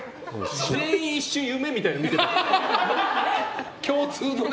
全員一瞬夢みたいなの見てたね。